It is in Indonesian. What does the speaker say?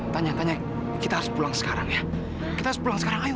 tanya tanya kita harus pulang sekarang ya kita harus pulang sekarang ayo